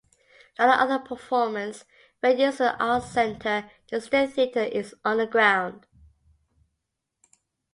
Like the other performance venues within the Arts Centre, the State Theatre is underground.